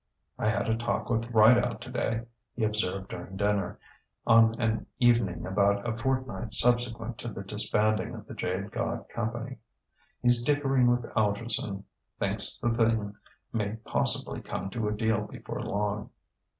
"I had a talk with Rideout today," he observed during dinner, on an evening about a fortnight subsequent to the disbanding of "The Jade God" company. "He's dickering with Algerson thinks the thing may possibly come to a deal before long."